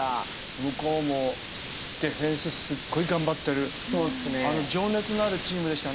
向こうもディフェンスすっごい頑張ってる情熱のあるチームでしたね。